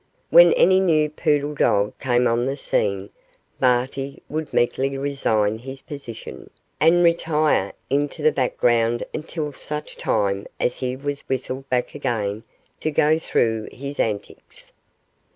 When any new poodle dog came on the scene Barty would meekly resign his position, and retire into the background until such time as he was whistled back again to go through his antics.